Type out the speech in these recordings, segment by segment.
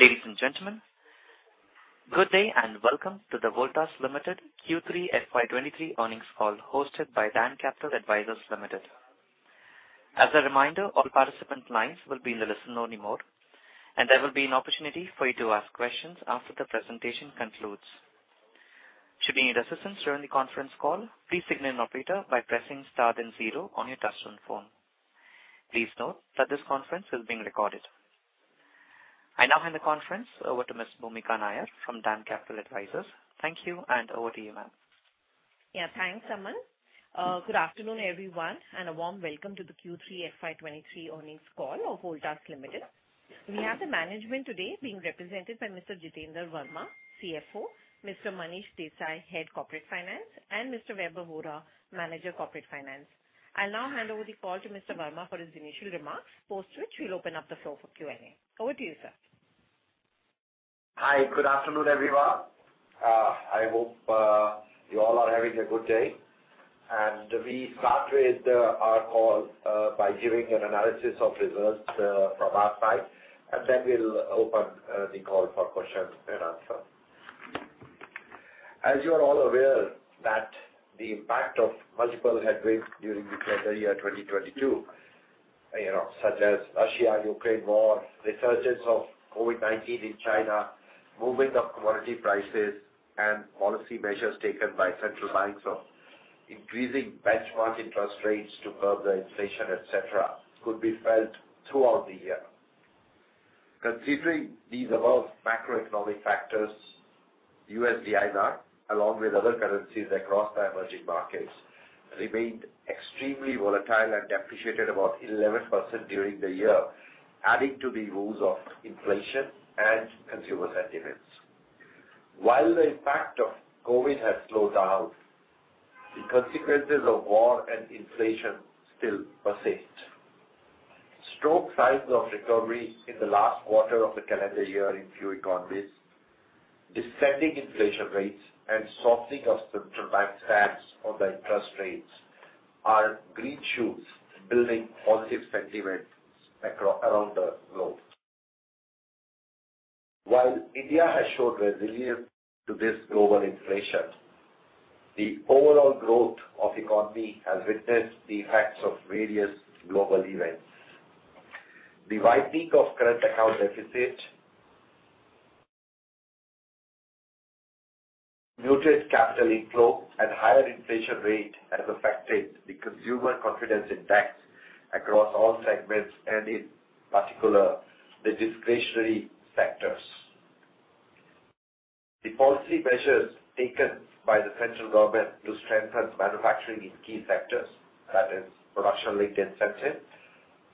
Ladies and gentlemen, good day and welcome to the Voltas Limited Q3 FY 2023 earnings call hosted by DAM Capital Advisors Limited. As a reminder, all participant lines will be in the listen only mode. There will be an opportunity for you to ask questions after the presentation concludes. Should you need assistance during the conference call, please signal an operator by pressing star then zero on your touchtone phone. Please note that this conference is being recorded. I now hand the conference over to Ms. Bhoomika Nair from DAM Capital Advisors. Thank you, and over to you, ma'am. Thanks, Aman. Good afternoon, everyone, and a warm welcome to the Q3 FY 2023 earnings call of Voltas Limited. We have the management today being represented by Mr. Jitender Verma, CFO, Mr. Manish Desai, Head Corporate Finance, and Mr. Vaibhav Vora, Manager Corporate Finance. I'll now hand over the call to Mr. Verma for his initial remarks, post which we'll open up the floor for Q and A. Over to you, sir. Hi. Good afternoon, everyone. I hope you all are having a good day. We start with our call by giving an analysis of results from our side, and then we'll open the call for questions and answer. As you are all aware that the impact of multiple headwinds during the calendar year 2022, you know, such as Russia and Ukraine war, resurgence of COVID-19 in China, movement of commodity prices and policy measures taken by central banks of increasing benchmark interest rates to curb the inflation, et cetera, could be felt throughout the year. Considering these above macroeconomic factors, USDR along with other currencies across the emerging markets remained extremely volatile and depreciated about 11% during the year, adding to the rules of inflation and consumer sentiments. While the impact of COVID has slowed down, the consequences of war and inflation still persist. Stoked signs of recovery in the last quarter of the calendar year in few economies, descending inflation rates and softening of central bank stance on the interest rates are green shoots building positive sentiments around the globe. While India has showed resilience to this global inflation, the overall growth of economy has witnessed the effects of various global events. The widening of current account deficit, muted capital inflow and higher inflation rate has affected the consumer confidence index across all segments and in particular, the discretionary sectors. The policy measures taken by the central government to strengthen manufacturing in key sectors, that is production-linked incentive,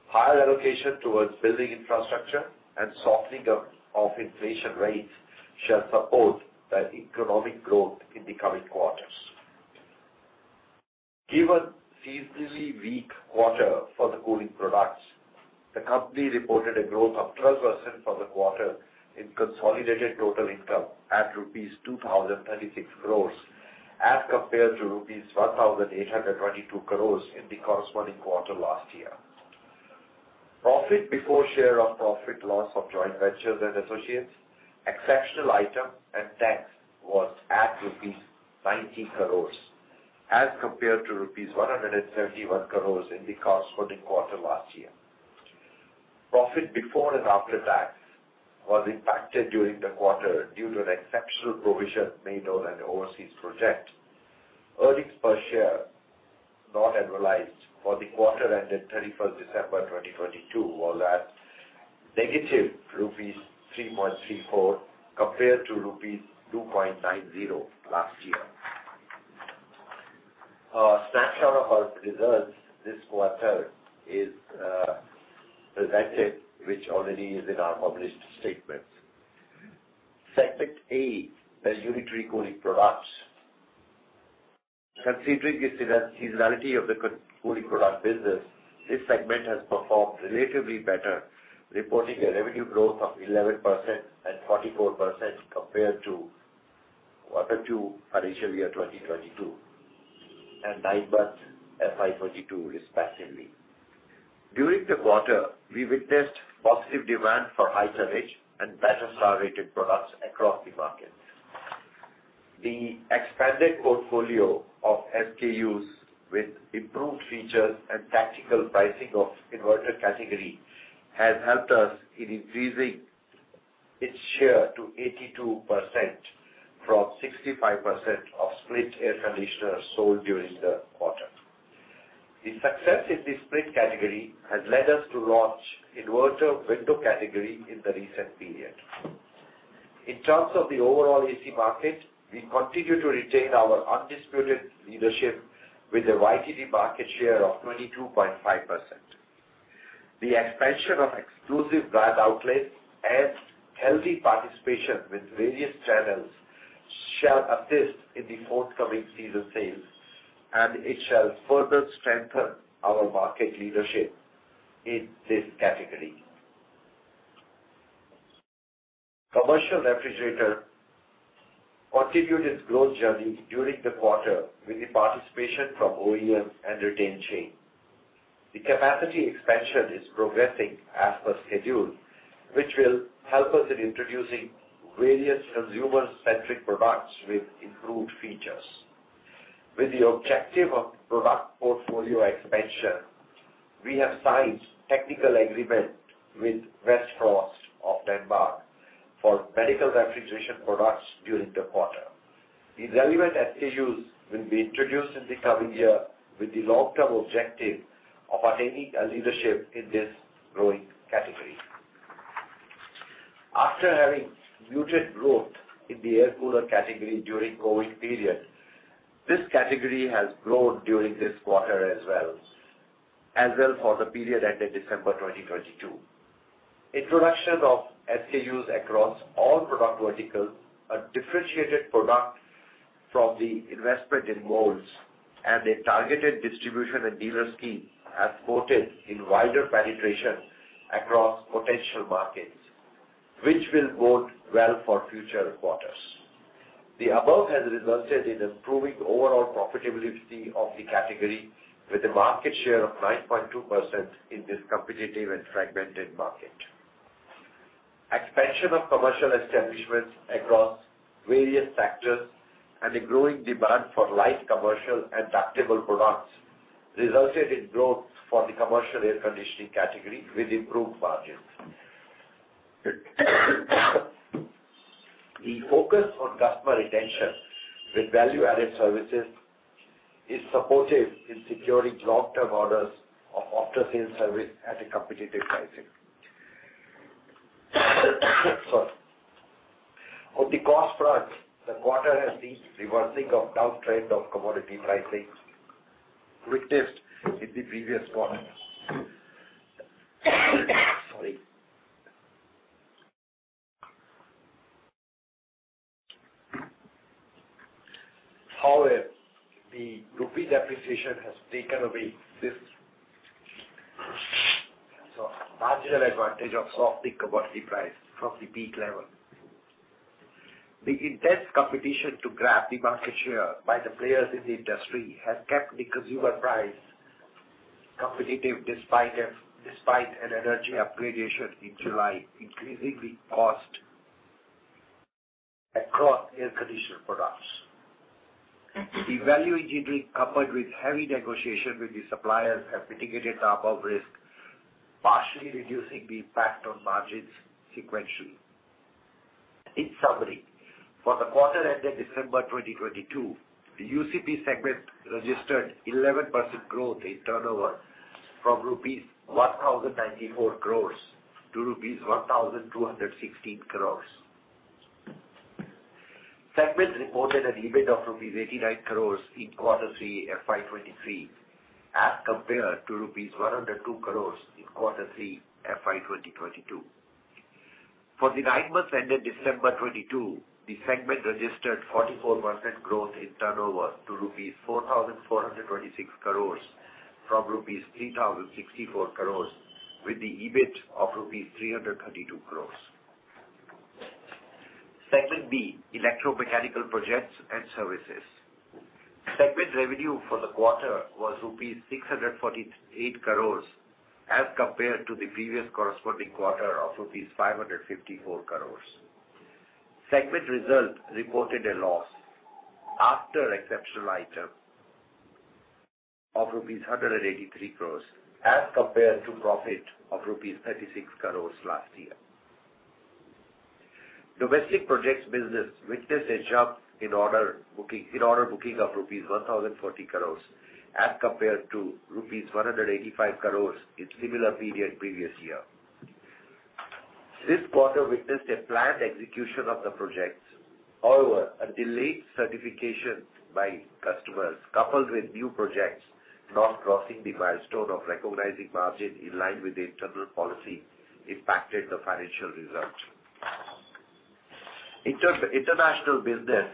higher allocation towards building infrastructure and softening of inflation rates shall support the economic growth in the coming quarters. Given seasonally weak quarter for the cooling products, the company reported a growth of 12% for the quarter in consolidated total income at rupees 2,036 crores as compared to rupees 1,822 crores in the corresponding quarter last year. Profit before share of profit loss of joint ventures and associates, exceptional item and tax was at rupees 90 crores as compared to rupees 131 crores in the corresponding quarter last year. Profit before and after tax was impacted during the quarter due to an exceptional provision made on an overseas project. Earnings per share not annualized for the quarter ended December 31, 2022 were at negative rupees 3.34 compared to rupees 2.90 last year. A snapshot of our results this quarter is presented which already is in our published statements. Segment A, residential cooling products. Considering the seasonality of the cooling product business, this segment has performed relatively better, reporting a revenue growth of 11% and 44% compared to Q2 FY 2022 and nine months FY 2022 respectively. During the quarter, we witnessed positive demand for high ISEER and better STAR-rated products across the markets. The expanded portfolio of SKUs with improved features and tactical pricing of inverter category has helped us in increasing its share to 82% from 65% of split air conditioners sold during the quarter. The success in the split category has led us to launch inverter window category in the recent period. In terms of the overall AC market, we continue to retain our undisputed leadership with a YTD market share of 22.5%. The expansion of exclusive brand outlets and healthy participation with various channels shall assist in the forthcoming season sales. It shall further strengthen our market leadership in this category. Commercial refrigeration continued its growth journey during the quarter with the participation from OEM and retain chain. The capacity expansion is progressing as per schedule, which will help us in introducing various consumer-centric products with improved features. With the objective of product portfolio expansion, we have signed technical agreement with Vestfrost of Denmark for medical refrigeration products during the quarter. The relevant SKUs will be introduced in the coming year with the long-term objective of attaining a leadership in this growing category. After having muted growth in the air cooler category during COVID-19 period, this category has grown during this quarter as well for the period ended December 2022. Introduction of SKUs across all product verticals, a differentiated product from the investment in molds, and a targeted distribution and dealer scheme have resulted in wider penetration across potential markets, which will bode well for future quarters. The above has resulted in improving overall profitability of the category with a market share of 9.2% in this competitive and fragmented market. Expansion of commercial establishments across various sectors and a growing demand for light commercial and ductable products resulted in growth for the commercial air conditioning category with improved margins. The focus on customer retention with value-added services is supportive in securing long-term orders of after-sales service at a competitive pricing. Sorry. On the cost front, the quarter has seen reversing of downtrend of commodity pricing witnessed in the previous quarters. Sorry. The rupee depreciation has taken away this so marginal advantage of soft commodity price from the peak level. The intense competition to grab the market share by the players in the industry has kept the consumer price competitive despite an energy upgradation in July, increasingly cost across air conditioner products. The value engineering coupled with heavy negotiation with the suppliers have mitigated the above risk, partially reducing the impact on margins sequentially. In summary, for the quarter ended December 2022, the UCP segment registered 11% growth in turnover from rupees 1,094 crores to rupees 1,216 crores. Segment reported an EBIT of rupees 89 crores in quarter three FY 2023 as compared to rupees 102 crores in quarter three FY 2022. For the nine months ended December 2022, the segment registered 44% growth in turnover to 4,426 crores rupees from 3,064 crores rupees with the EBIT of 332 crores rupees. Segment B, Electro-Mechanical Projects and Services. Segment revenue for the quarter was 648 crores rupees as compared to the previous corresponding quarter of 554 crores rupees. Segment result reported a loss after exceptional item of rupees 183 crores as compared to profit of rupees 36 crores last year. Domestic projects business witnessed a jump in order booking of rupees 1,040 crores as compared to rupees 185 crores in similar period previous year. This quarter witnessed a planned execution of the projects. However, a delayed certification by customers coupled with new projects not crossing the milestone of recognizing margin in line with the internal policy impacted the financial results. Inter-International business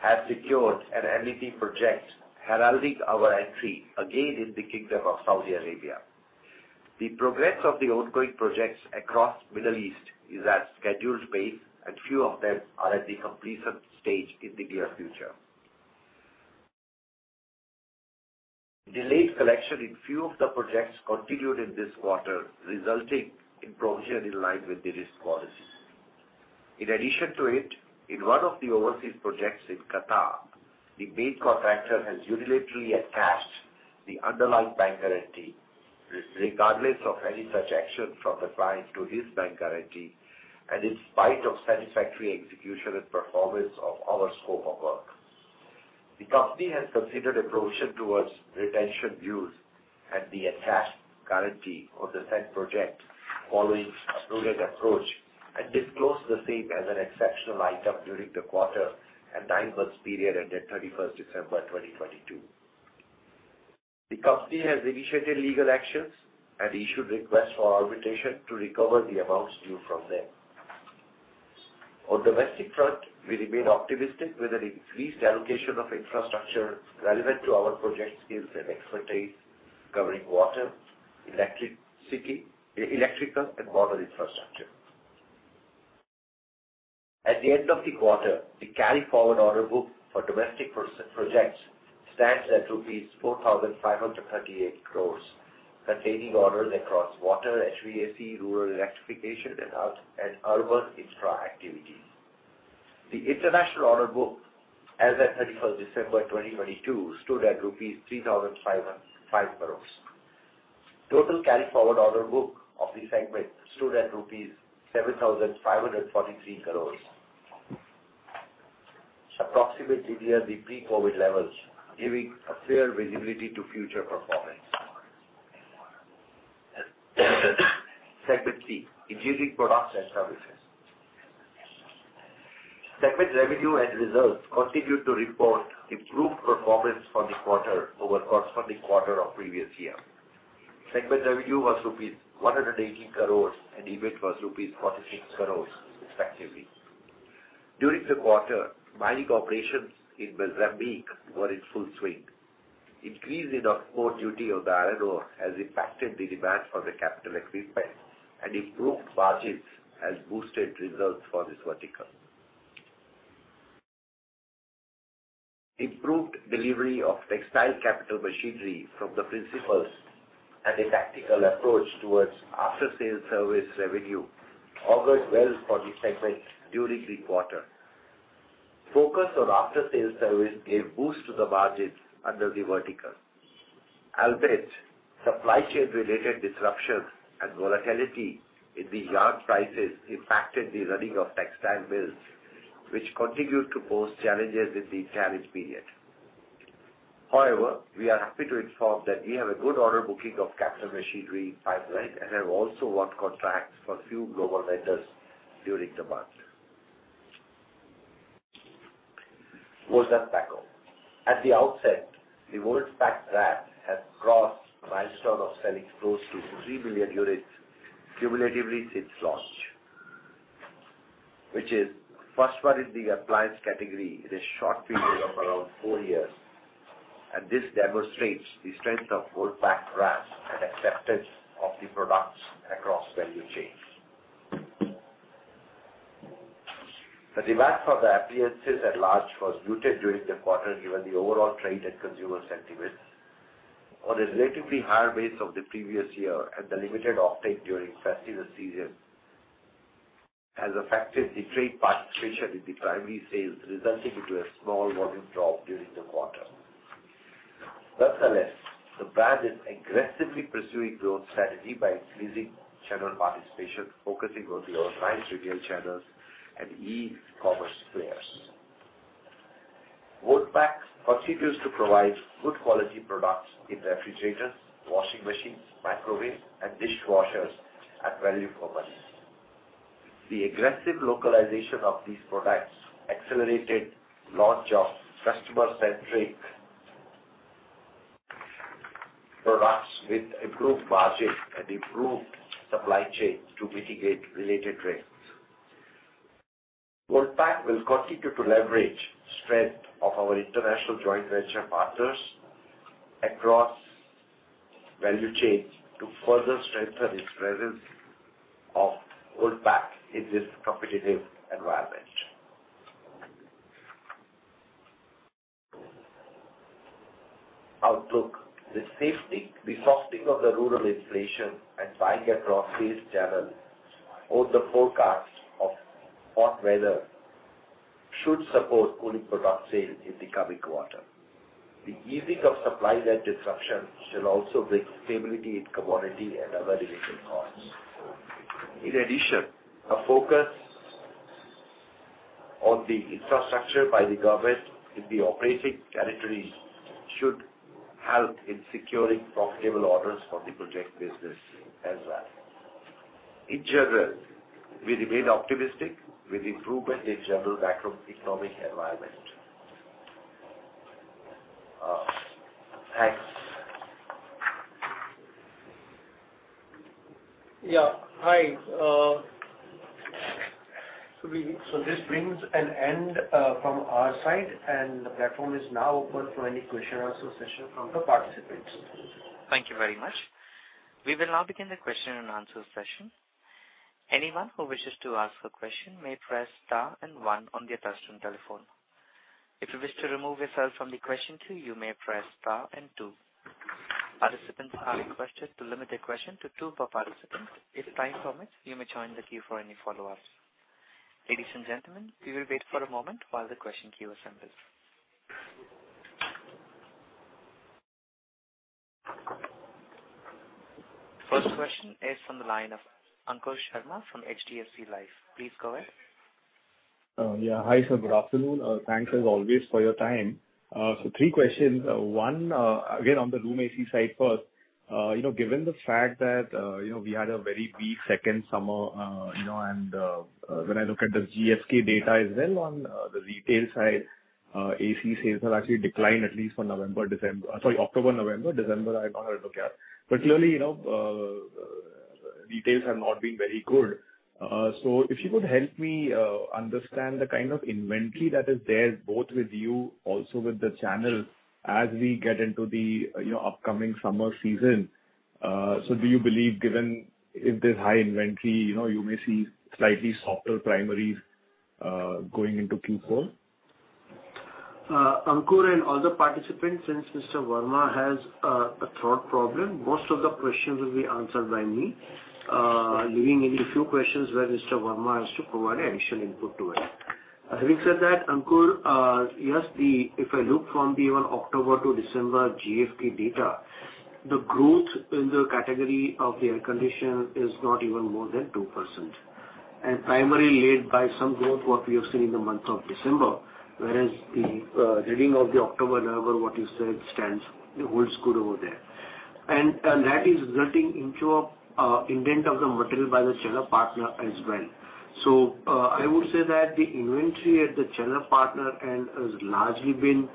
has secured an MEP project heralding our entry again in the Kingdom of Saudi Arabia. The progress of the ongoing projects across Middle East is at scheduled pace, and few of them are at the completion stage in the near future. Delayed collection in few of the projects continued in this quarter, resulting in provision in line with the risk policy. In addition to it, in one of the overseas projects in Qatar, the main contractor has unilaterally attached the underlying bank guarantee regardless of any such action from the client to his bank guarantee and in spite of satisfactory execution and performance of our scope of work. The company has considered a provision towards retention dues and the attached guarantee of the said project following a prudent approach and disclosed the same as an exceptional item during the quarter and nine months period ended 31st December 2022. The company has initiated legal actions and issued requests for arbitration to recover the amounts due from them. Domestic front, we remain optimistic with an increased allocation of infrastructure relevant to our project skills and expertise covering electrical and water infrastructure. At the end of the quarter, the carry-forward order book for domestic projects stands at rupees 4,538 crores, containing orders across water, HVAC, rural electrification, and urban infra activities. The international order book as at 31st December 2022 stood at rupees 3,505 crores. Total carry-forward order book of the segment stood at rupees 7,543 crores. Approximately near the pre-COVID levels, giving a clear visibility to future performance. Segment three, engineering products and services. Segment revenue and results continued to report improved performance for the quarter over corresponding quarter of previous year. Segment revenue was rupees 180 crores, and EBIT was rupees 46 crores respectively. During the quarter, mining operations in Razmig were in full swing. Increase in off-core duty on the RNO has impacted the demand for the capital equipment and improved margins has boosted results for this vertical. Improved delivery of textile capital machinery from the principals and a tactical approach towards after-sales service revenue augured well for the segment during the quarter. Focus on after-sales service gave boost to the margins under the vertical. Supply chain-related disruptions and volatility in the yarn prices impacted the running of textile mills, which continued to pose challenges in the challenge period. We are happy to inform that we have a good order booking of capital machinery pipeline, and have also won contracts for few global vendors during the quarter. Whirlpool Voltas-Beko. At the outset, the Whirlpool-Dana her brand has crossed a milestone of selling close to 3 billion units cumulatively since launch, which is first one in the appliance category in a short period of around four years. This demonstrates the strength of Whirlpool-Dana her brand and acceptance of the products across value chains. The demand for the appliances at large was muted during the quarter, given the overall trade and consumer sentiments. On a relatively higher base of the previous year and the limited offtake during festive season has affected the trade participation in the primary sales, resulting into a small volume drop during the quarter. Nonetheless, the brand is aggressively pursuing growth strategy by increasing channel participation, focusing on the online retail channels and e-commerce players. Whirlpool continues to provide good quality products in refrigerators, washing machines, microwaves, and dishwashers at value for money. The aggressive localization of these products accelerated launch of customer-centric products with improved margins and improved supply chain to mitigate related risks. Whirlpool will continue to leverage strength of our international joint venture partners across value chains to further strengthen its presence of Whirlpool in this competitive environment. Outlook. The softening of the rural inflation and buying across sales channel or the forecast of hot weather should support cooling product sales in the coming quarter. The easing of supply chain disruptions should also bring stability in commodity and other related costs. In addition, a focus on the infrastructure by the government in the operating territories should help in securing profitable orders for the project business as well. In general, we remain optimistic with improvement in general macroeconomic environment. Thanks. Hi. This brings an enfrom our side. The platform is now open for any question and answer session from the participants. Thank you very much. We will now begin the question and answer session. Anyone who wishes to ask a question may press star one on their touch-tone telephone. If you wish to remove yourself from the question queue, you may press star two. Participants are requested to limit their question to two per participant. If time permits, you may join the queue for any follow-ups. Ladies and gentlemen, we will wait for a moment while the question queue assembles. First question is from the line of Ankur Sharma from HDFC Life. Please go ahead. Yeah. Hi, sir. Good afternoon. Thanks as always for your time. Three questions. One, again, on the room AC side first. You know, given the fact that, you know, we had a very weak second summer, you know, and, when I look at the GfK data as well on, the retail side, AC sales have actually declined at least for November, December. Sorry, October, November. December, I haven't had a look at. Clearly, you know, Details have not been very good. If you could help me, understand the kind of inventory that is there, both with you also with the channel as we get into the, you know, upcoming summer season. Do you believe given if there's high inventory, you know, you may see slightly softer primaries, going into Q4? Ankur and other participants, since Mr. Verma has a throat problem, most of the questions will be answered by me, leaving any few questions where Mr. Verma has to provide additional input to it. Having said that, Ankur, yes, if I look from the October to December GfK data, the growth in the category of the air conditioner is not even more than 2%. Primarily led by some growth what we have seen in the month of December, whereas the reading of the October level, what you said stands, it holds good over there. That is resulting into a invent of the material by the channel partner as well. I would say that the inventory at the channel partner and has largely been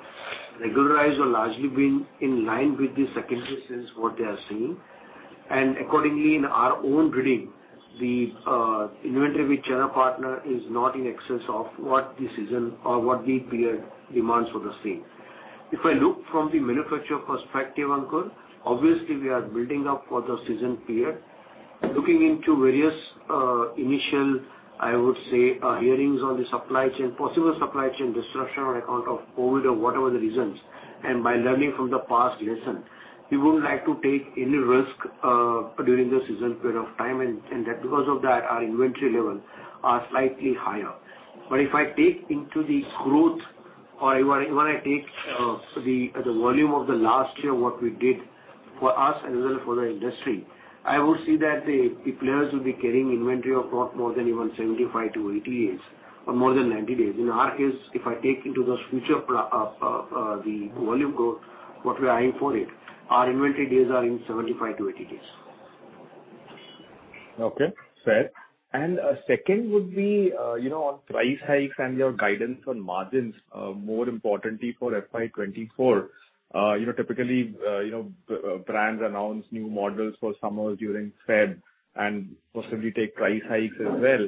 regularized or largely been in line with the secondary sales what they are seeing. Accordingly, in our own reading, the inventory with channel partner is not in excess of what the season or what the period demands for the same. If I look from the manufacturer perspective, Ankur, obviously we are building up for the season period. Looking into various initial, I would say, hearings on the supply chain, possible supply chain disruption on account of COVID or whatever the reasons, learning from the past lesson, we wouldn't like to take any risk during the season period of time and that because of that, our inventory level are slightly higher. If I take into the growth or when I take, the volume of the last year, what we did for us as well as for the industry, I would say that the players will be carrying inventory of not more than even 75-80 days or more than 90 days. In our case, if I take into the future the volume growth, what we are eyeing for it, our inventory days are in 75-80 days. Okay. Fair. Second would be, you know, on price hikes and your guidance on margins, more importantly for FY 2024. You know, typically, you know, brands announce new models for summer during Feb and possibly take price hikes as well.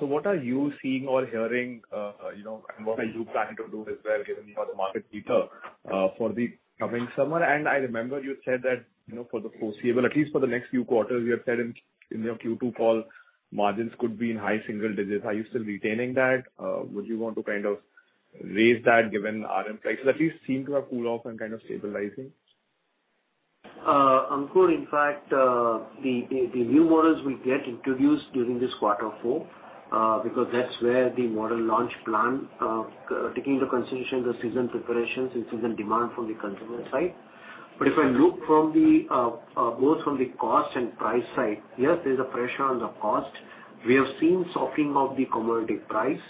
What are you seeing or hearing, you know, and what are you planning to do as well, given, you know, the market data for the coming summer? I remember you said that, you know, for the foreseeable, at least for the next few quarters, you have said in your Q2 call, margins could be in high single digits. Are you still retaining that? Would you want to kind of raise that given RM prices at least seem to have cooled off and kind of stabilizing? Ankur, in fact, the new models we get introduced during this quarter four, because that's where the model launch plan, taking into consideration the season preparations and season demand from the consumer side. If I look from both from the cost and price side, yes, there's a pressure on the cost. We have seen softening of the commodity price.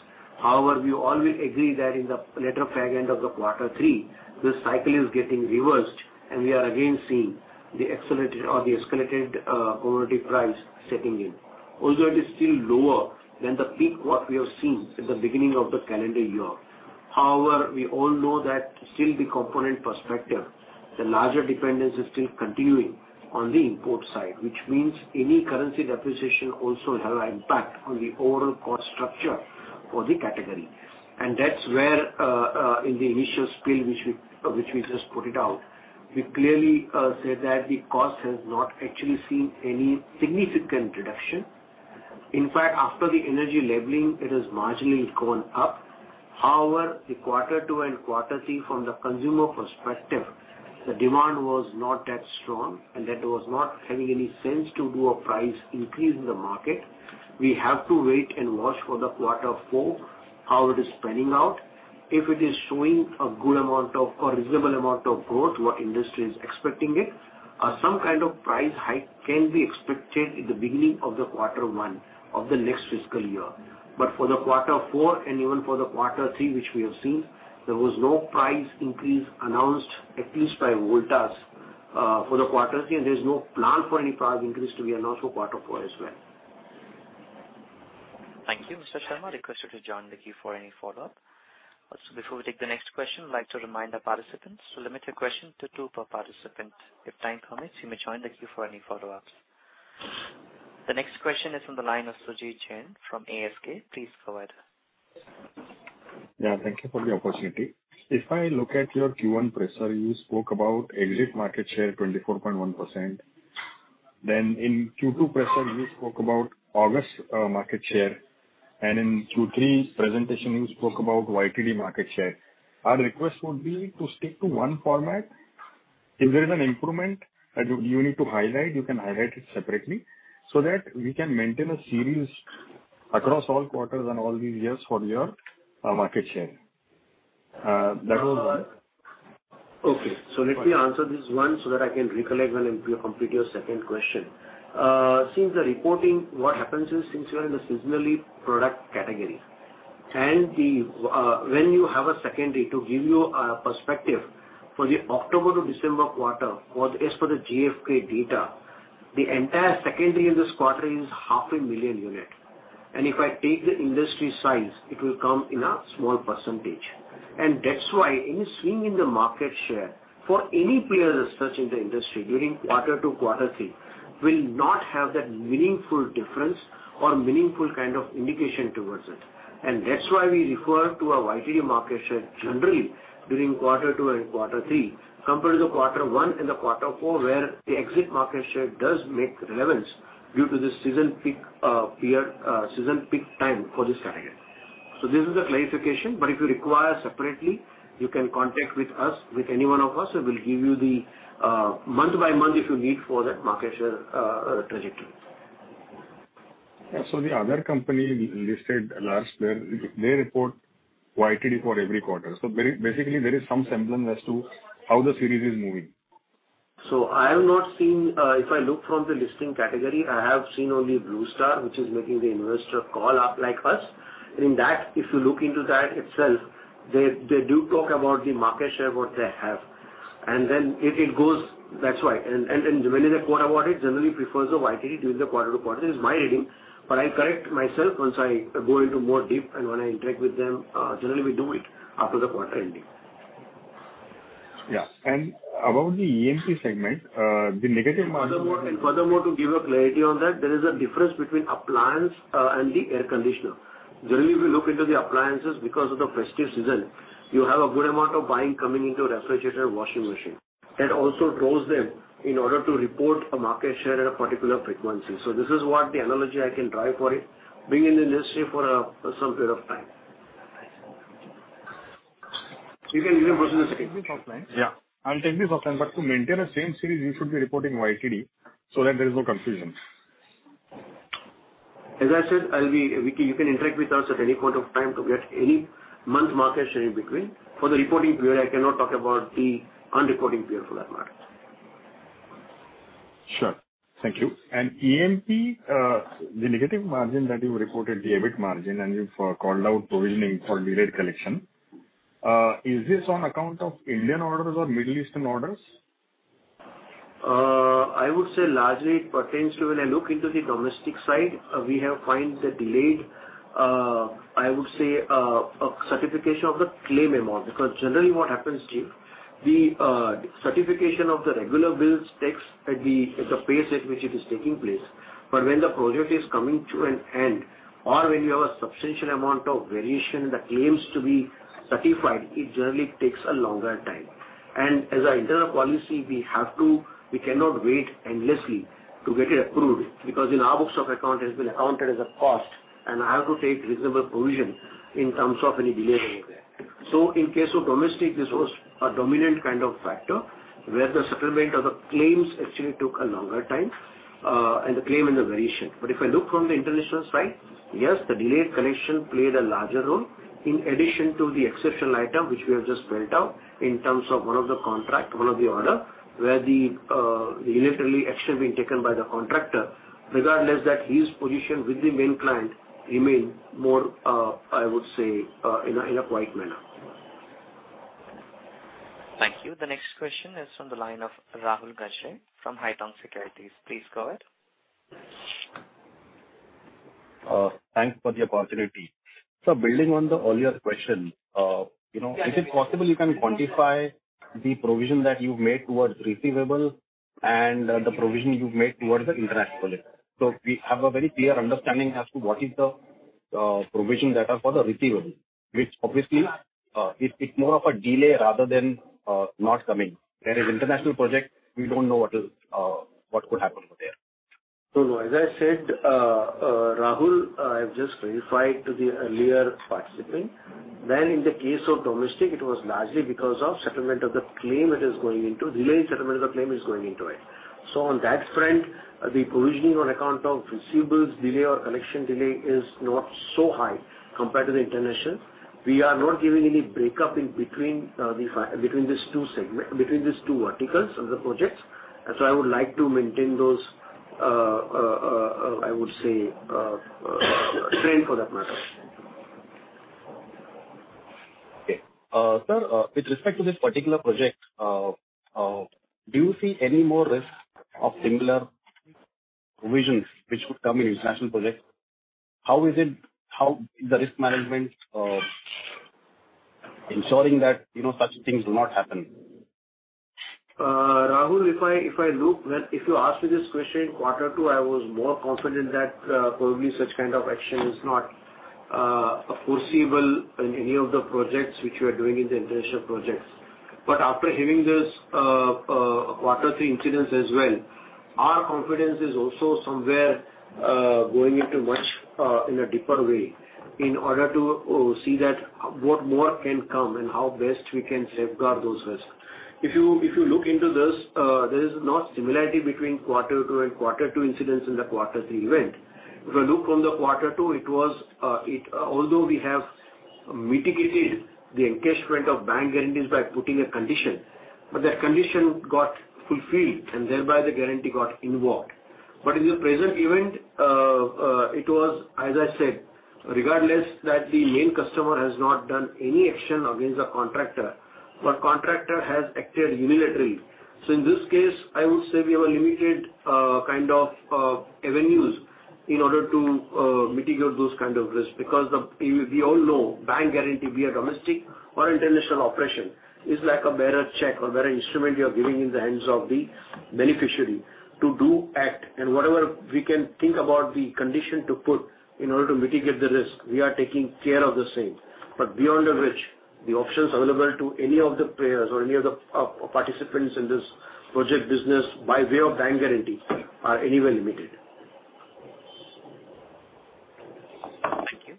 However, we all will agree that in the latter part end of the quarter three, the cycle is getting reversed, and we are again seeing the accelerated or the escalated commodity price setting in. Although it is still lower than the peak what we have seen in the beginning of the calendar year. However, we all know that still the component perspective, the larger dependence is still continuing on the import side, which means any currency depreciation also will have impact on the overall cost structure for the category. That's where, in the initial spill which we just put it out, we clearly said that the cost has not actually seen any significant reduction. In fact, after the energy labeling, it has marginally gone up. However, the quarter two and quarter three from the consumer perspective, the demand was not that strong, and that was not having any sense to do a price increase in the market. We have to wait and watch for the quarter four, how it is panning out. If it is showing a good amount of or reasonable amount of growth, what industry is expecting it, some kind of price hike can be expected in the beginning of the quarter one of the next fiscal year. For the quarter four and even for the quarter three, which we have seen, there was no price increase announced, at least by Voltas, for the quarter three, and there's no plan for any price increase to be announced for quarter four as well. Thank you. Mr. Sharma, I request you to join the queue for any follow-up. Before we take the next question, I'd like to remind our participants to limit your question to two per participant. If time permits, you may join the queue for any follow-ups. The next question is on the line of Sujit Jain from ASK. Please go ahead. Yeah, thank you for the opportunity. If I look at your Q1 presser, you spoke about exit market share 24.1%. In Q2 presser, you spoke about August market share, and in Q3's presentation, you spoke about YTD market share. Our request would be to stick to one format. If there is an improvement that you need to highlight, you can highlight it separately so that we can maintain a series across all quarters and all the years for your market share. That was. Okay. Let me answer this one so that I can recollect when I complete your second question. Since the reporting, what happens is, since you are in a seasonally product category, and the, when you have a secondary to give you a perspective for the October to December quarter, for as for the GfK data, the entire secondary in this quarter is 500,000 units. If I take the industry size, it will come in a small %. That's why any swing in the market share for any player as such in the industry during quarter two, quarter three will not have that meaningful difference or meaningful kind of indication towards it. That's why we refer to our YTD market share generally during quarter two and quarter three compared to the quarter one and the quarter four, where the exit market share does make relevance due to the season peak, year, season peak time for this category. This is the clarification, but if you require separately, you can contact with us, with any one of us, we'll give you the month by month if you need for that market share trajectory. Yeah. The other company listed large, where they report YTD for every quarter. Basically, there is some semblance as to how the series is moving. I have not seen. If I look from the listing category, I have seen only Blue Star, which is making the investor call up like us. In that, if you look into that itself, they do talk about the market share, what they have. Then if it goes, that's why. When in a quarter, what it generally prefers a YTD during the quarter to quarter. This is my reading, but I'll correct myself once I go into more deep and when I interact with them, generally we do it after the quarter ending. Yeah. about the EMPS segment, the negative margin- Furthermore, to give a clarity on that, there is a difference between appliance and the air conditioner. Generally, we look into the appliances because of the festive season. You have a good amount of buying coming into a refrigerator, washing machine. That also draws them in order to report a market share at a particular frequency. This is what the analogy I can drive for it, being in the industry for some period of time. You can proceed with the second question. Yeah. I'll takeuthis offline. To maintain the same series, you should be reporting YTD so that there is no confusion. As I said, you can interact with us at any point of time to get any month market share in between. For the reporting period, I cannot talk about the unreporting period for that matter. Sure. Thank you. EMPS, the negative margin that you reported, the EBIT margin, and you called out provisioning for delayed collection, is this on account of Indian orders or Middle Eastern orders? I would say largely it pertains to when I aook into the domestic side, we have find the delayed, I would say, certification of the claim amount. Generally what happens is the certification of the regular bills takes at the, at the pace at which it is taking place. When the project is coming to an end or when you have a substantial amount of variation that claims to be certified, it generally takes a longer time. As our internal policy, we cannot wait endlessly to get it approved because in our books of account, it's been accounted as a cost, and I have to take reasonable provision in terms of any delay over there. In case of domestic, this was a dominant kind of factor, where the settlement of the claims actually took a longer time, and the claim and the variation. If I look from the international side, yes, the delayed collection played a larger role in addition to the exceptional item which we have just built out in terms of one of the contract, one of the order, where the unilateral action being taken by the contractor, regardless that his position with the main client remain more, I would say, in a quiet manner. Thank you. The next question is from the line of Rahul Gajare from Haitong Securities. Please go ahead. Thanks for the opportunity. Building on the earlier question, you know, is it possible you can quantify the provision that you've made towards receivables and the provision you've made towards the international projects? We have a very clear understanding as to what is the provision that are for the receivables, which obviously, it's more of a delay rather than not coming. Whereas international project, we don't know what is what could happen over there. As I said, Rahul, I've just clarified to the earlier participant, when in the case of domestic, it was largely because of settlement of the claim that is going into delayed settlement of the claim is going into it. On that front, the provisioning on account of receivables delay or collection delay is not so high compared to the international. We are not giving any breakup in between these two verticals of the projects. I would like to maintain those, I would say, trend for that matter. Okay. sir, with respect to this particular project, do you see any more risk of similar provisions which would come in international projects? How the risk management, ensuring that, you know, such things will not happen? Rahul, if I, if I look, if you ask me this question in quarter two, I was more confident that probably such kind of action is not foreseeable in any of the projects which we are doing in the international projects. After having this quarter three incidence as well, our confidence is also somewhere going into much in a deeper way in order to see that what more can come and how best we can safeguard those risks. If you, if you look into this, there is no similarity between quarter two and quarter two incidents in the quarter three event. If I look from the quarter two, it was, although we have mitigated the encashment of bank guarantees by putting a condition, but that condition got fulfilled and thereby the guarantee got invoked. In the present event, it was, as I said, regardless that the main customer has not done any action against the contractor. Contractor has acted unilaterally. In this case, I would say we have a limited kind of avenues in order to mitigate those kind of risks because We all know bank guarantee, be a domestic or international operation, is like a bearer check or bearer instrument you are giving in the hands of the beneficiary to do act. Whatever we can think about the condition to put in order to mitigate the risk, we are taking care of the same. Beyond which the options available to any of the players or any other participants in this project business by way of bank guarantee are anyway limited. Thank you.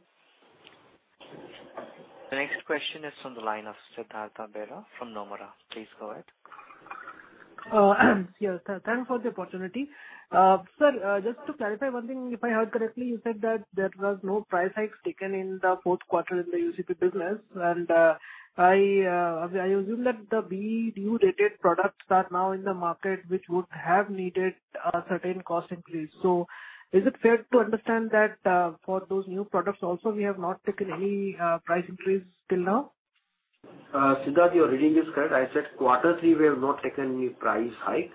The next question is on the line of Siddhartha Bera from Nomura. Please go ahead. Yes, sir. Thank you for the opportunity. Sir, just to clarify one thing, if I heard correctly, you said that there was no price hikes taken in the fourth quarter in the UCP business. I assume that the BEE-rated products are now in the market, which would have needed a certain cost increase. Is it fair to understand that, for those new products also we have not taken any, price increase till now? Siddhartha, your reading is correct. I said quarter three, we have not taken any price hike.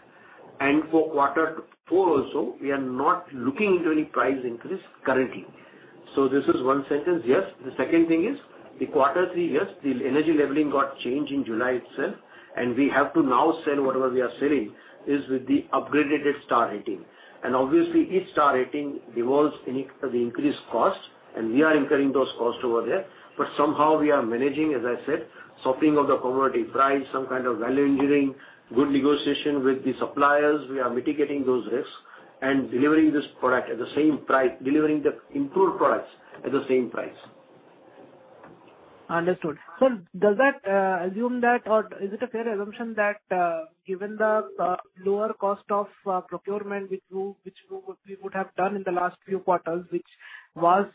For quarter four also, we are not looking into any price increase currently. This is one sentence, yes. The second thing is the quarter three, yes, the energy labeling got changed in July itself, and we have to now sell whatever we are selling is with the upgraded star rating. Obviously each star rating evolves in the increased cost, and we are incurring those costs over there. Somehow we are managing, as I said, swapping of the commodity price, some kind of value engineering, good negotiation with the suppliers. We are mitigating those risks and delivering this product at the same price, delivering the improved products at the same price. Understood. Does that assume that or is it a fair assumption that given the lower cost of procurement which we would have done in the last few quarters, which was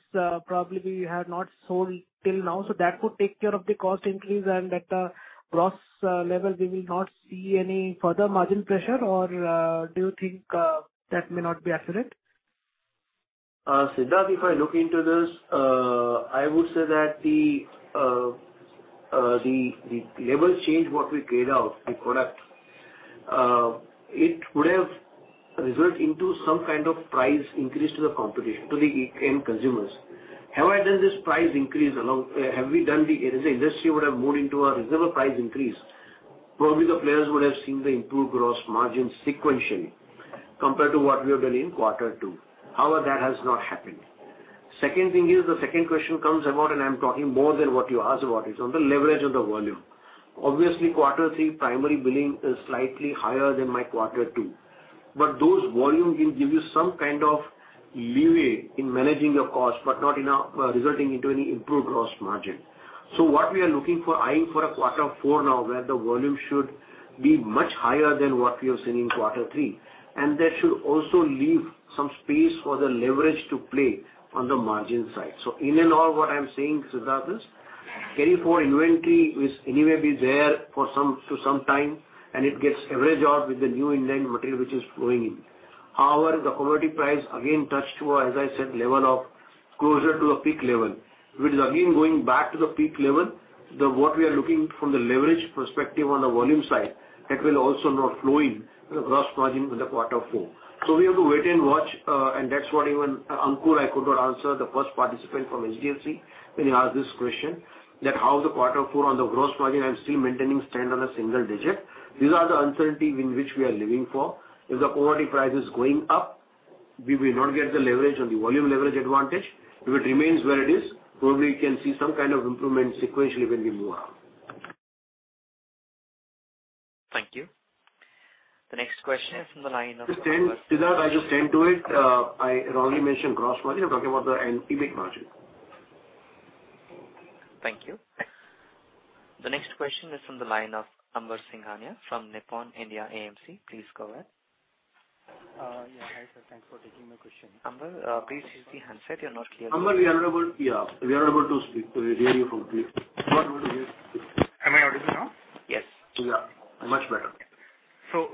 probably we have not sold till now, so that would take care of the cost increase and at the gross level we will not see any further margin pressure? Or, do you think that may not be accurate? Siddhartha, if I look into this, I would say that the level change what we gave out, the product, it would have result into some kind of price increase to the competition, to the end consumers. Had I done this price increase along, as the industry would have moved into a reasonable price increase, probably the players would have seen the improved gross margin sequentially compared to what we have done in quarter two. However, that has not happened. Second thing is, the second question comes about, and I'm talking more than what you asked about. It's on the leverage of the volume. Obviously, quarter three primary billing is slightly higher than my quarter two, but those volume will give you some kind of leeway in managing the cost, but not enough, resulting into any improved gross margin. What we are looking for, eyeing for a quarter four now, where the volume should be much higher than what we have seen in quarter three. That should also leave some space for the leverage to play on the margin side. In and all, what I'm saying, Siddhartha, is carry forward inventory is anyway be there for some, to some time, and it gets averaged out with the new inbound material which is flowing in. However, the commodity price again touched to a, as I said, level of closer to a peak level, which is again going back to the peak level. What we are looking from the leverage perspective on the volume side, that will also now flow in the gross margin in the quarter four. We have to wait and watch. That's what even, Ankur, I could not answer the first participant from HDFC when he asked this question that how the quarter four on the gross margin I'm still maintaining stand on a single digit. These are the uncertainty in which we are living for. If the commodity price is going up, we will not get the leverage or the volume leverage advantage. If it remains where it is, probably you can see some kind of improvement sequentially when we move out. Thank you. The next question is from the line of- Just to end, Siddhartha, I'll just end to it. I had only mentioned gross margin. I'm talking about the end EBIT margin. Thank you. The next question is from the line of Amber Singhania from Nippon India AMC. Please go ahead. Yeah. Hi, sir. Thanks for taking my question. Amber, please use the handset. You're not clear. Amber, we are not able, yeah, we are not able to speak, hear you from here. We are not able to hear. Am I audible now? Yes. Yeah, much better. Sir,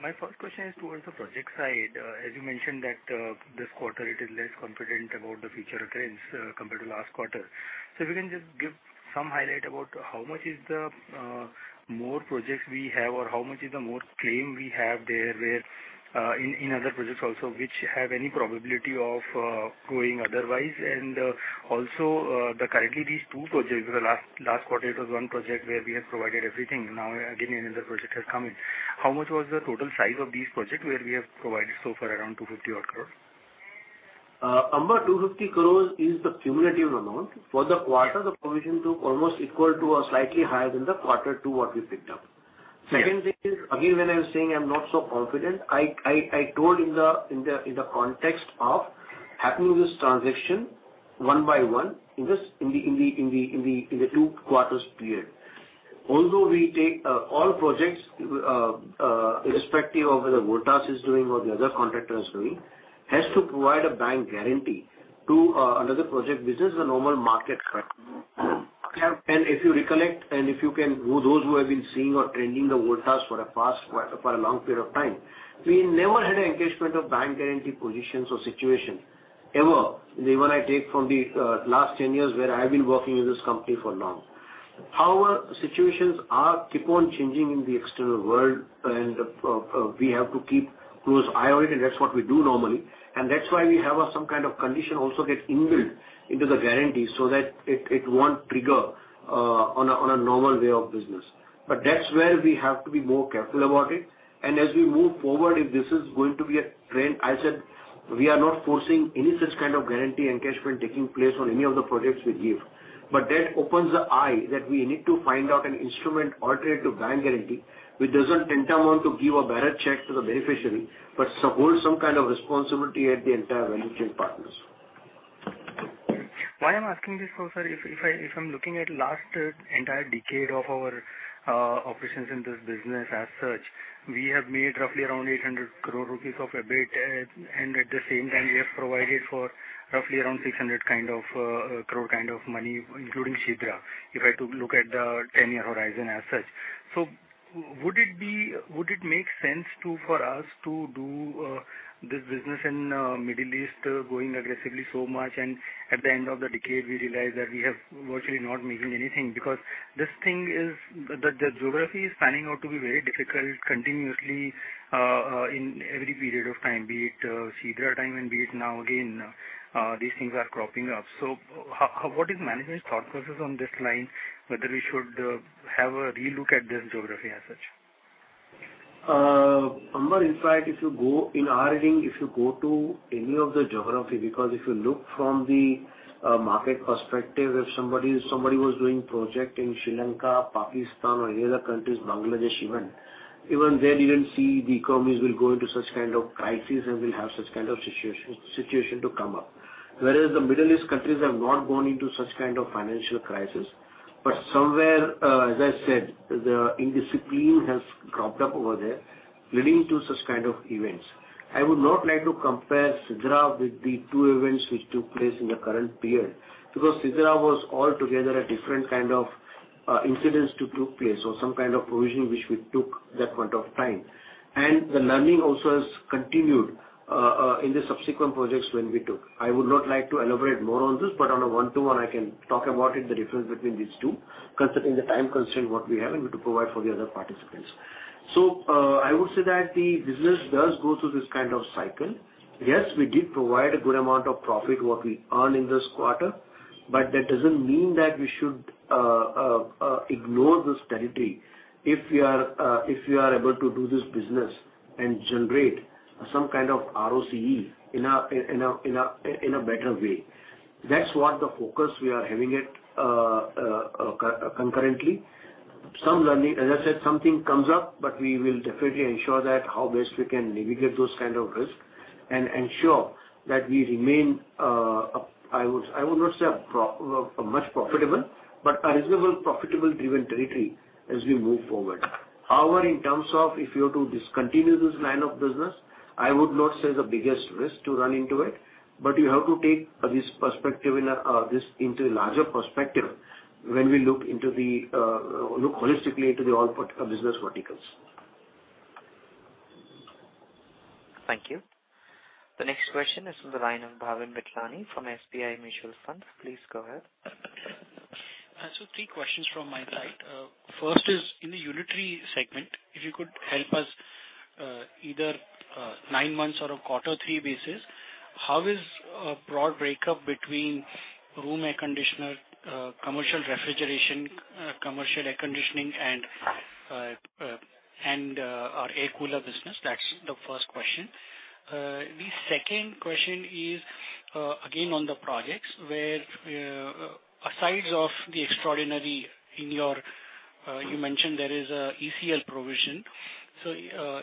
my first question is towards the project side. As you mentioned that this quarter it is less confident about the future trends compared to last quarter. If you can just give some highlight about how much is the more projects we have or how much is the more claim we have there where in other projects also which have any probability of going otherwise. Also, the currently these two projects, the last quarter it was one project where we had provided everything. Now again, another project has come in. How much was the total size of these project where we have provided so far around 250 odd crores? Amber, 250 crores is the cumulative amount. For the quarter, the provision took almost equal to or slightly higher than the quarter two what we picked up. Right. Second thing is, again, when I was saying I'm not so confident, I told in the context of happening this transaction one by one in this, in the two quarters period. Although we take all projects irrespective of whether Voltas is doing or the other contractor is doing, has to provide a bank guarantee to another project. This is the normal market practice. Okay. If you recollect and if you can... Those who have been seeing or trending the Voltas for the past, for a long period of time, we never had an engagement of bank guarantee positions or situation. Ever, the one I take from the last 10 years where I've been working in this company for long. However, situations are keep on changing in the external world, and we have to keep close eye on it, and that's what we do normally. That's why we have some kind of condition also get inbuilt into the guarantee so that it won't trigger on a normal way of business. That's where we have to be more careful about it. As we move forward, if this is going to be a trend, I said we are not forcing any such kind of guarantee encashment taking place on any of the projects we give. That opens the eye that we need to find out an instrument alternative to bank guarantee, which doesn't tempt someone to give a bearer check to the beneficiary, but some hold some kind of responsibility at the entire value chain partners. Why I'm asking this also, if I'm looking at last entire decade of our operations in this business as such, we have made roughly around 800 crore rupees of EBIT. At the same time, we have provided for roughly around 600 crore of money, including Sidra, if I to look at the 10-year horizon as such. Would it make sense to, for us to do this business in Middle East going aggressively so much, and at the end of the decade, we realize that we have virtually not making anything? This thing is the geography is panning out to be very difficult continuously in every period of time, be it Sidra time and be it now again, these things are cropping up. How, what is management's thought process on this line, whether we should have a relook at this geography as such? Aman, in fact, if you go in our reading, if you go to any of the geography, because if you look from the market perspective, if somebody was doing project in Sri Lanka, Pakistan or any other countries, Bangladesh even then you will see the economies will go into such kind of crisis and will have such kind of situation to come up. The Middle East countries have not gone into such kind of financial crisis. Somewhere, as I said, the indiscipline has cropped up over there leading to such kind of events. I would not like to compare Sidra with the two events which took place in the current period, because Sidra was altogether a different kind of incidents to took place or some kind of provision which we took that point of time. The learning also has continued in the subsequent projects when we took. I would not like to elaborate more on this, but on a one-to-one I can talk about it, the difference between these two, considering the time constraint what we have and we to provide for the other participants. I would say that the business does go through this kind of cycle. Yes, we did provide a good amount of profit what we earn in this quarter, but that doesn't mean that we should ignore this territory. If we are able to do this business and generate some kind of ROCE in a better way. That's what the focus we are having at concurrently. Some learning, as I said, something comes up, but we will definitely ensure that how best we can mitigate those kind of risk and ensure that we remain, I would not say a much profitable, but a reasonable profitable driven territory as we move forward. In terms of if you are to discontinue this line of business, I would not say the biggest risk to run into it. You have to take this perspective in a, this into a larger perspective when we look into the, look holistically into the all business verticals. Thank you. The next question is from the line of Bhavin Vithlani from SBI Mutual Fund. Please go ahead. Three questions from my side. First is in the unitary segment, if you could help us, either nine months or a quarter three basis, how is a broad breakup between room air conditioner, commercial refrigeration, commercial air conditioning and our air cooler business? That's the first question. The second question is again, on the projects where asides of the extraordinary in your, you mentioned there is a ECL provision.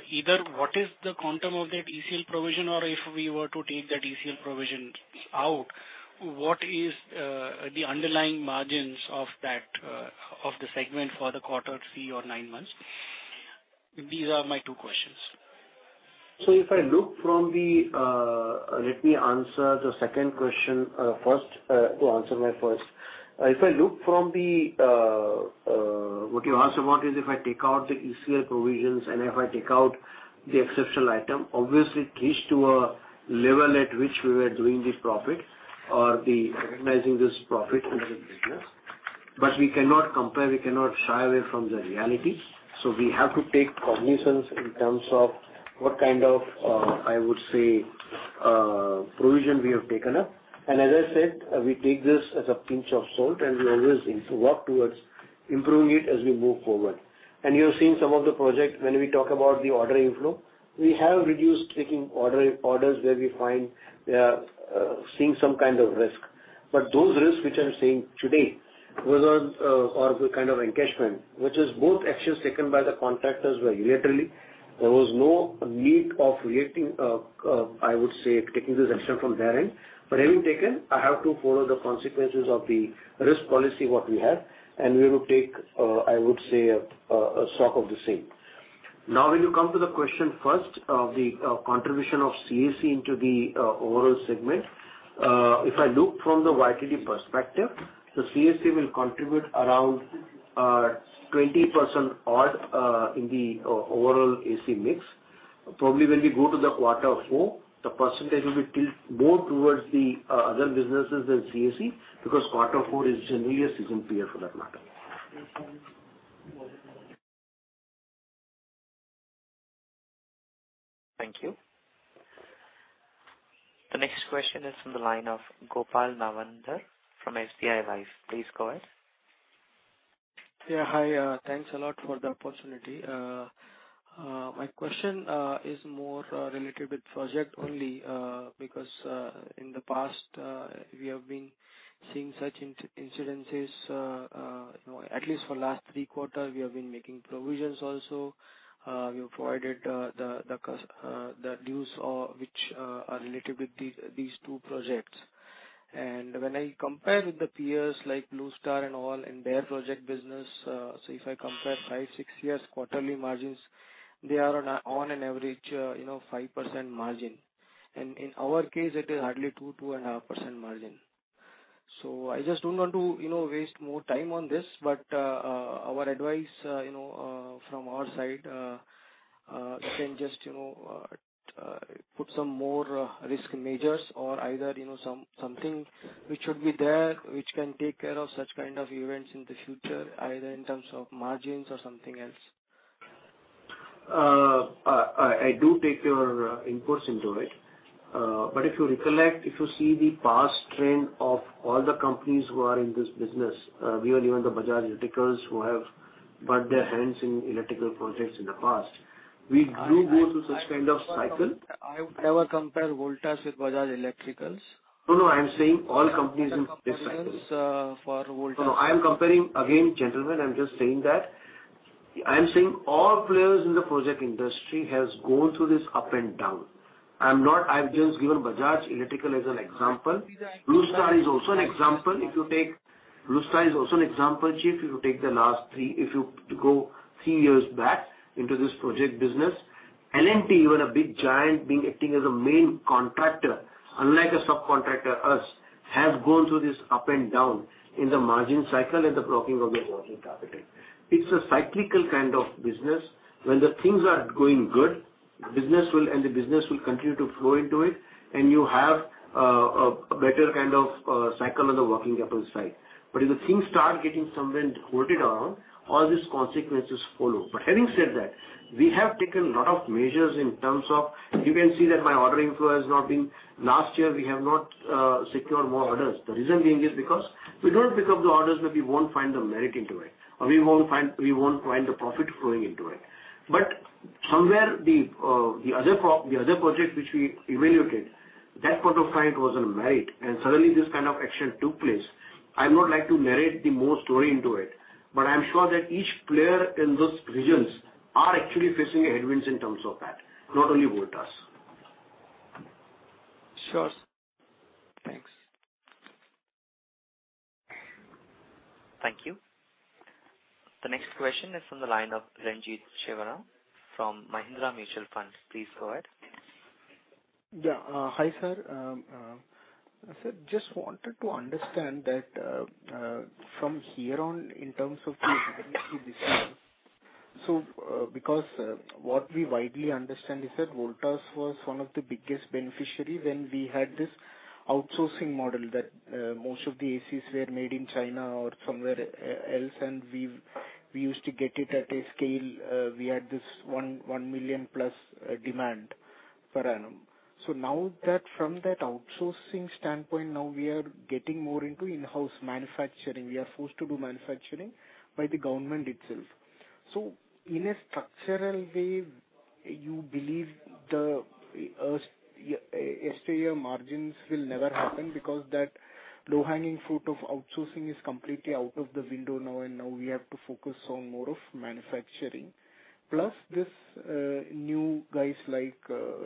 Either what is the quantum of that ECL provision? Or if we were to take that ECL provision out, what is the underlying margins of that of the segment for the quarter three or nine months? These are my two questions. If I look from the, let me answer the second question, first, to answer my first. If I look from the, what you asked about is if I take out the ECL provisions and if I take out the exceptional item, obviously it leads to a level at which we were doing this profit or the recognizing this profit in this business. But we cannot compare, we cannot shy away from the reality. We have to take cognizance in terms of what kind of, I would say, provision we have taken up. As I said, we take this as a pinch of salt, and we always aim to work towards improving it as we move forward. You have seen some of the project when we talk about the order inflow. We have reduced taking orders where we find we are seeing some kind of risk. Those risks which I'm saying today was or the kind of encashment, which is both actions taken by the contractors were unilaterally. There was no need of reacting, I would say, taking this action from their end. Having taken, I have to follow the consequences of the risk policy, what we have, and we will take, I would say, a stock of the same. When you come to the question first of the contribution of CAC into the overall segment, if I look from the YTD perspective, the CAC will contribute around 20% odd in the overall AC mix. Probably when we go to the Q4, the percentage will be tilt more towards the other businesses than CAC, because Q4 is generally a season period for that matter. Thank you. The next question is from the line of Gopal Nawandhar from SBI Life. Please go ahead. Yeah, hi. Thanks a lot for the opportunity. My question is more related with project only, because in the past, we have been seeing such incidences, you know, at least for last three quarters, we have been making provisions also. We have provided the dues of which are related with these two projects. When I compare with the peers like Blue Star and all in their project business, so if I compare five, six years quarterly margins, they are on an average, you know, 5% margin. In our case, it is hardly 2-2.5% margin. I just don't want to, you know, waste more time on this. Our advice, you know, from our side, can just, you know, put some more risk measures or either, you know, something which should be there which can take care of such kind of events in the future, either in terms of margins or something else. I do take your inputs into it. If you recollect, if you see the past trend of all the companies who are in this business, be it even the Bajaj Electricals who have burned their hands in electrical projects in the past, we do go through such kind of cycle. I would never compare Voltas with Bajaj Electricals. No, I'm saying all companies in this cycle. For Voltas. No, no, I'm comparing. Again, gentlemen, I'm just saying that all players in the project industry has gone through this up and down. I've just given Bajaj Electricals as an example. Blue Star is also an example. If you take Blue Star is also an example, Chief, if you take the last three, if you go three years back into this project business. L&T, even a big giant being acting as a main contractor unlike a subcontractor, us, has gone through this up and down in the margin cycle and the blocking of their working capital. It's a cyclical kind of business. When the things are going good, business will continue to flow into it, and you have a better kind of cycle on the working capital side. If the things start getting somewhere and hold it on, all these consequences follow. Having said that, we have taken lot of measures in terms of you can see that my ordering flow has not been... Last year, we have not secured more orders. The reason being is because we don't pick up the orders, we won't find the merit into it, or we won't find the profit flowing into it. Somewhere the other project which we evaluated, that point of time it was a merit, and suddenly this kind of action took place. I would not like to narrate the more story into it, but I'm sure that each player in those regions are actually facing a headwinds in terms of that, not only Voltas. Sure. Thanks. Thank you. The next question is from the line of Renjith Sivaram from Mahindra Mutual Funds. Please go ahead. Hi, sir. Sir, just wanted to understand that from here on in terms of the business. Because what we widely understand is that Voltas was one of the biggest beneficiaries when we had this outsourcing model that most of the ACs were made in China or somewhere else, and we used to get it at a scale. We had this 1 million+ demand per annum. Now that from that outsourcing standpoint, now we are getting more into in-house manufacturing. We are forced to do manufacturing by the government itself. In a structural way, you believe the year-to-year margins will never happen because that low-hanging fruit of outsourcing is completely out of the window now, and now we have to focus on more of manufacturing. This, new guys like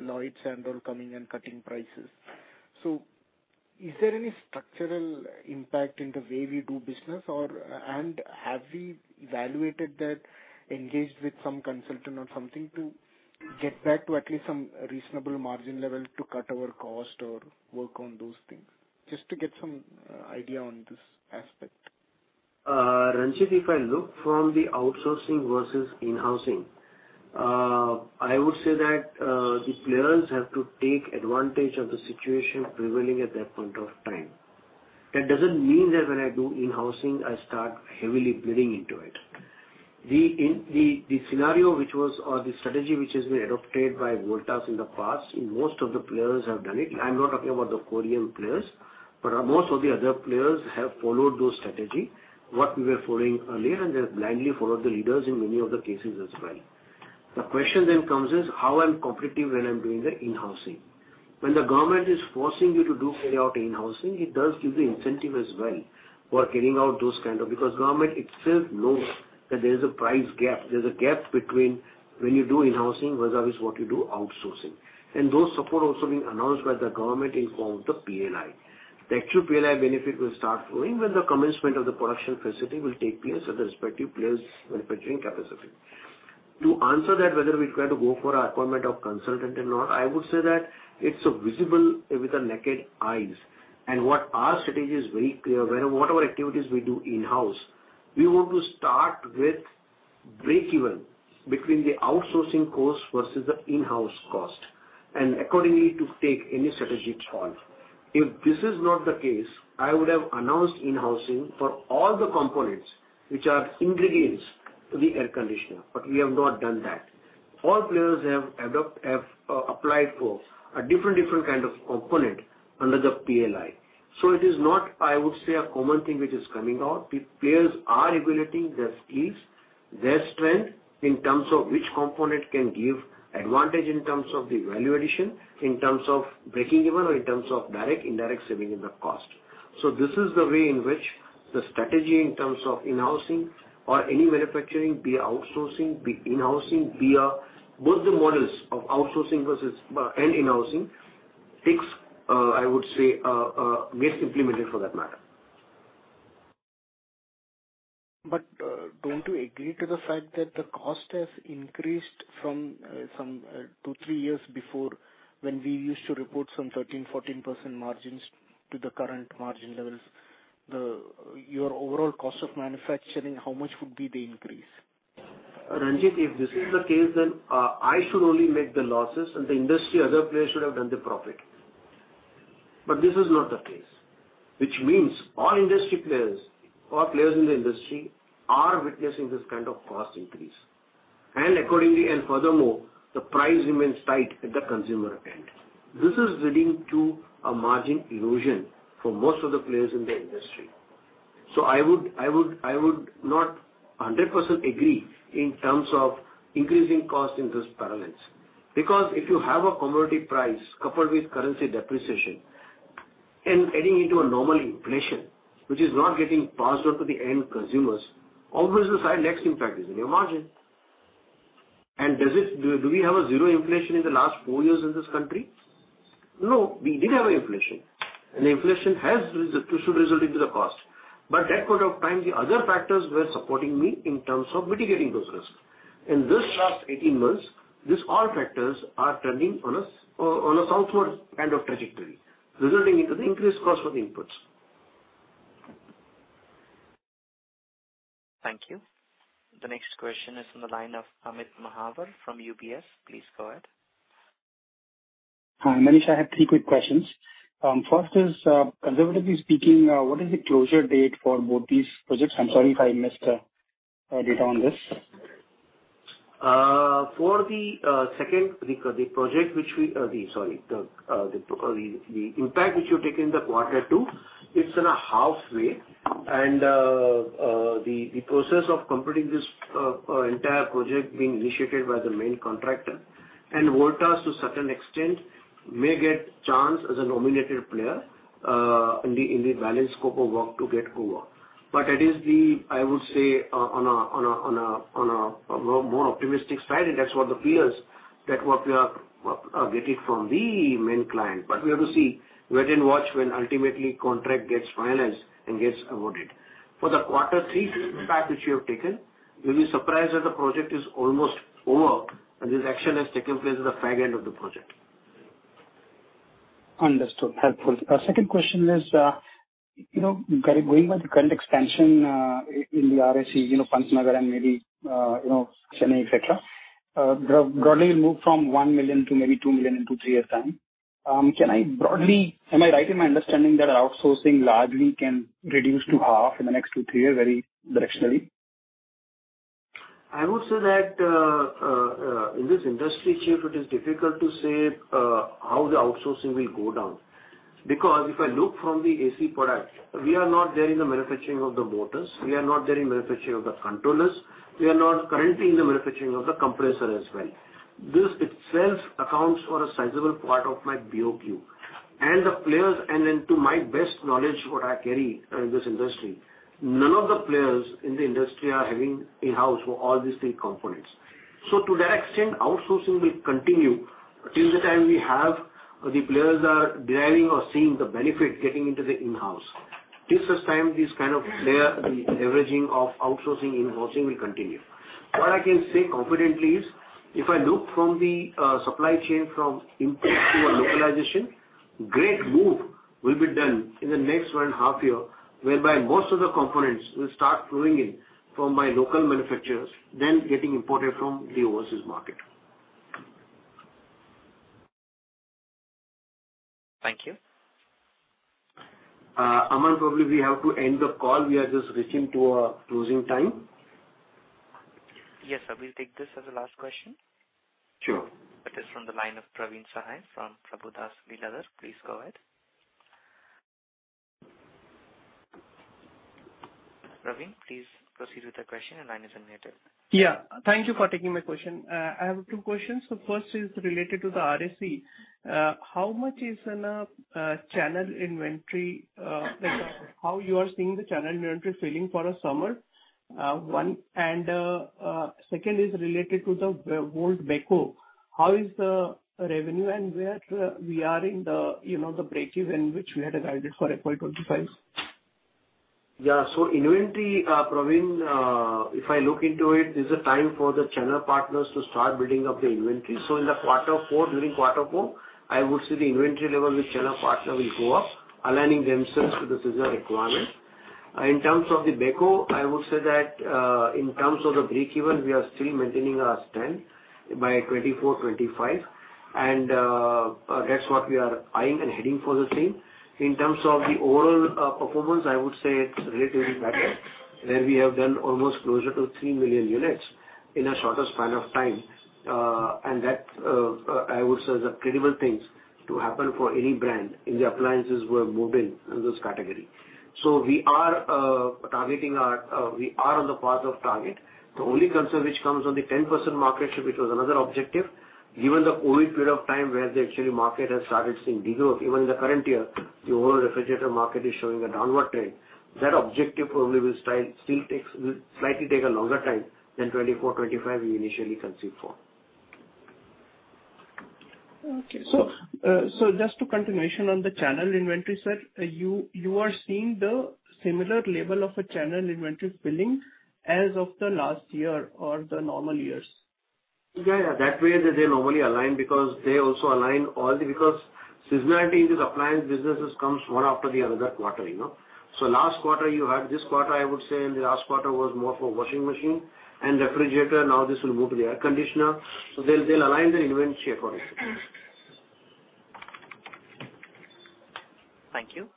Lloyds Andall coming and cutting prices. Is there any structural impact in the way we do business or, and have we evaluated that, engaged with some consultant or something to get back to at least some reasonable margin level to cut our cost or work on those things? Just to get some idea on this aspect. Renjith, if I look from the outsourcing versus in-housing, I would say that these players have to take advantage of the situation prevailing at that point of time. Doesn't mean that when I do in-housing, I start heavily bleeding into it. The scenario which was, or the strategy which has been adopted by Voltas in the past, most of the players have done it. I'm not talking about the Korean players, most of the other players have followed those strategy, what we were following earlier, they have blindly followed the leaders in many of the cases as well. The question then comes is, how I'm competitive when I'm doing the in-housing? The government is forcing you to do carry out in-housing, it does give the incentive as well for carrying out those kind of... Government itself knows that there is a price gap. There's a gap between when you do in-housing versus what you do outsourcing. Those support also being announced by the government in form of the PLI. The actual PLI benefit will start flowing when the commencement of the production facility will take place at the respective players' manufacturing capacity. To answer that, whether we're going to go for appointment of consultant or not, I would say that it's visible with the naked eyes. What our strategy is very clear. Whatever activities we do in-house. We want to start with breakeven between the outsourcing cost versus the in-house cost, and accordingly to take any strategic call. If this is not the case, I would have announced in-housing for all the components which are ingredients to the air conditioner, but we have not done that. All players have applied for a different kind of component under the PLI. It is not, I would say, a common thing which is coming out. The players are evaluating their skills, their strength in terms of which component can give advantage in terms of the value addition, in terms of breakeven or in terms of direct, indirect saving in the cost. This is the way in which the strategy in terms of in-housing or any manufacturing, be outsourcing, be in-housing, be both the models of outsourcing versus... And in-housing takes, I would say, gets implemented for that matter. Don't you agree to the fact that the cost has increased from two, three years before when we used to report some 13%, 14% margins to the current margin levels? Your overall cost of manufacturing, how much would be the increase? Renjith, if this is the case, then I should only make the losses and the industry, other players should have done the profit. This is not the case. Which means all industry players or players in the industry are witnessing this kind of cost increase. Furthermore, the price remains tight at the consumer end. This is leading to a margin erosion for most of the players in the industry. I would not 10% agree in terms of increasing cost in those parallels. If you have a commodity price coupled with currency depreciation and adding into a normal inflation, which is not getting passed on to the end consumers, obvious decide next impact is in your margin. Do we have a zero inflation in the last four years in this country? No. We did have inflation has should result into the cost. That point of time, the other factors were supporting me in terms of mitigating those risks. In this last 18 months, these all factors are turning on a southward kind of trajectory, resulting into the increased cost of inputs. Thank you. The next question is in the line of Amit Mahawar from UBS. Please go ahead. Hi, Manish. I have three quick questions. First is, conservatively speaking, what is the closure date for both these projects? I'm sorry if I missed data on this. For the project which we. Sorry. The impact which you take in the quarter two, it's in a halfway, the process of completing this entire project being initiated by the main contractor. Voltas, to certain extent, may get chance as a nominated player in the balance scope of work to get over. It is the, I would say, on a more optimistic side, and that's what the players that what we are getting from the main client. We have to see, wait and watch when ultimately contract gets finalized and gets awarded. For the quarter three impact which you have taken, you'll be surprised that the project is almost over, and this action has taken place at the back end of the project. Understood. Helpful. Second question is, you know, going by the current expansion, in the RAC, you know, Pantnagar and maybe, you know, Chennai, et cetera, broadly move from 1 million to maybe 2 million in two to three years' time. Can I broadly... Am I right in my understanding that outsourcing largely can reduce to half in the nexttwo to three years, very directionally? I would say that, in this industry, chief, it is difficult to say, how the outsourcing will go down. If I look from the AC product, we are not there in the manufacturing of the motors, we are not there in manufacturing of the controllers, we are not currently in the manufacturing of the compressor as well. This itself accounts for a sizable part of my BOQ. The players, then to my best knowledge what I carry in this industry, none of the players in the industry are having in-house for all these three components. To that extent, outsourcing will continue till the time we have the players are deriving or seeing the benefit getting into the in-house. Till such time, this kind of player, the leveraging of outsourcing, in-housing will continue. What I can say confidently is if I look from the supply chain from input to a localization, great move will be done in the next one and half year, whereby most of the components will start flowing in from my local manufacturers than getting imported from the overseas market. Thank you. Amar, probably we have to end the call. We are just reaching to our closing time. Yes, sir. We'll take this as the last question. Sure. It is from the line of Praveen Sahay from Prabhudas Lilladher. Please go ahead. Praveen, please proceed with the question. The line is unmuted. Thank you for taking my question. I have two questions. First is related to the RAC. How much is in a channel inventory, like how you are seeing the channel inventory filling for a summer? One. Second is related to the Voltas Beko. How is the revenue and where we are in the, you know, the breakeven which we had guided for FY 2025? Inventory, Praveen, if I look into it, this is a time for the channel partners to start building up their inventory. In the quarter four, during quarter four, I would say the inventory level with channel partner will go up, aligning themselves to the seasonal requirement. In terms of the Beko, I would say that, in terms of the breakeven, we are still maintaining our stand by 2024, 2025, and that's what we are eyeing and heading for the same. In terms of the overall performance, I would say it's relatively better. Where we have done almost closer to 3 million units in a shorter span of time. And that, I would say is a credible thing to happen for any brand in the appliances we're moving in this category. We are targeting our... we are on the path of target. The only concern which comes on the 10% market share, which was another objective, given the COVID period of time where the actually market has started seeing de-growth even in the current year, the overall refrigerator market is showing a downward trend. That objective probably will still takes, will slightly take a longer time than 2024, 2025 we initially conceived for. Okay. Just to continuation on the channel inventory set, you are seeing the similar level of a channel inventory spilling as of the last year or the normal years? Yeah, that way they normally align because they also align all the. Seasonality in this appliance businesses comes one after the other quarter, you know. Last quarter you had this quarter, I would say, and the last quarter was more for washing machine and refrigerator. Now this will move to the air conditioner. They'll align the inventory accordingly. Thank you.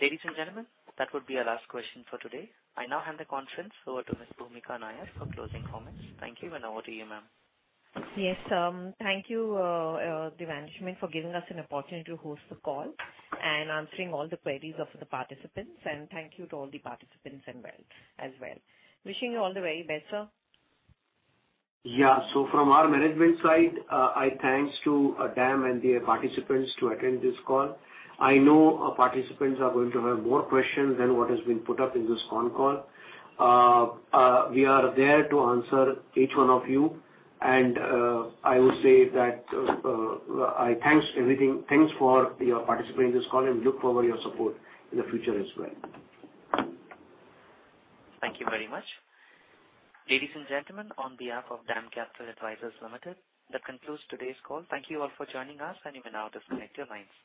Ladies and gentlemen, that would be our last question for today. I now hand the conference over to Ms. Bhoomika Nair for closing comments. Thank you, and over to you, ma'am. Yes, thank you, the management for giving us an opportunity to host the call and answering all the queries of the participants. Thank you to all the participants as well. Wishing you all the very best, sir. Yeah. From our management side, I thanks to DAM and their participants to attend this call. I know our participants are going to have more questions than what has been put up in this on call. We are there to answer each one of you, and I would say that I thanks everything. Thanks for your participating in this call and look forward your support in the future as well. Thank you very much. Ladies and gentlemen, on behalf of DAM Capital Advisors Limited, that concludes today's call. Thank you all for joining us, and you can now disconnect your lines.